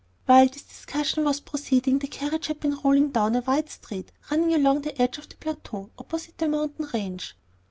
While this discussion was proceeding, the carriage had been rolling down a wide street running along the edge of the plateau, opposite the mountain range.